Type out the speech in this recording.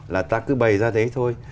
là ta cứ bày ra thế thôi